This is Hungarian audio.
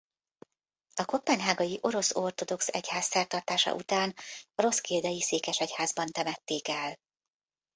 A koppenhágai orosz ortodox egyház szertartása után a Roskildei székesegyházban temették el.